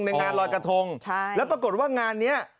งานลอยกระทงแล้วปรากฏว่างานนี้